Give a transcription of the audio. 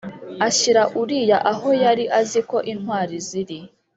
ashyira Uriya aho yari azi ko intwari ziri.